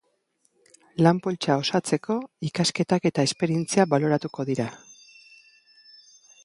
Lan-poltsa osatzeko, ikasketak eta esperientzia baloratuko dira.